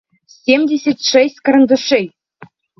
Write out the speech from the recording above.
семьдесят шесть карандашей